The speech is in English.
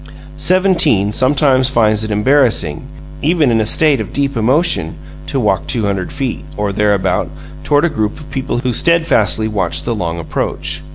Seventeen sometimes finds it embarrassing (even in a state of deep emotion) to walk two hundred feet, or thereabout, toward a group of people who steadfastly watch the long approach.